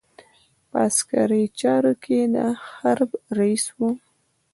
په عسکري چارو کې د حرب رئیس وو.